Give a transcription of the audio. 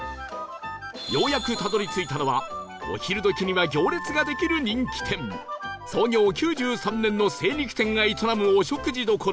ようやくたどり着いたのはお昼時には行列ができる人気店創業９３年の精肉店が営むお食事処愛津屋